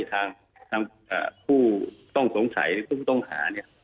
ทางผู้ต้องหา